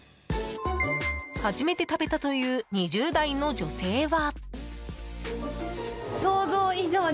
初めて食べたという２０代の女性は。